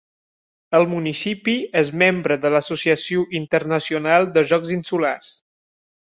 El municipi és membre de l'Associació Internacional dels Jocs Insulars.